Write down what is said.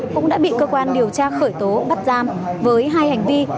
cũng đã bị cơ quan điều tra khởi tố bắt giam với hai hành vi